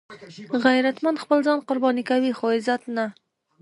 غیرتمند خپل ځان قرباني کوي خو عزت نه